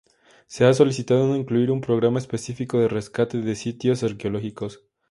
Se ha solicitado incluir un programa específico de rescate de estos sitios arqueológicos.